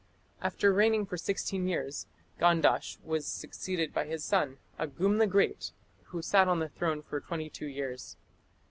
After reigning for sixteen years, Gandash was succeeded by his son, Agum the Great, who sat on the throne for twenty two years.